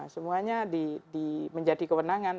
semuanya menjadi kewenangan